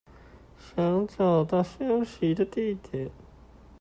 想找到休息的地點